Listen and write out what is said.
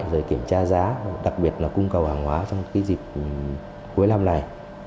rồi kiểm tra giá đặc biệt là cung cầu hàng hóa trong cái dịp cuối năm này